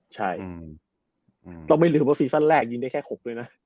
ใช่เราไม่ลืมว่าซีซั่นแรกยิงได้แค่๖ด้วยนะ